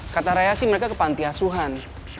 kata rea sih mereka ke pantiasuhan